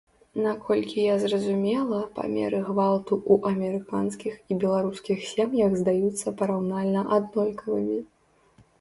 Наколькі я зразумела, памеры гвалту ў амерыканскіх і беларускіх сем'ях здаюцца параўнальна аднолькавымі.